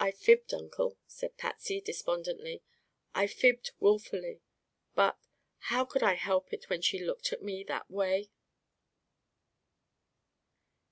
"I fibbed, Uncle," said Patsy despondently. "I fibbed willfully. But how could I help it when she looked at me that way?"